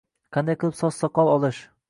Qanday qilib soch-soqol olish.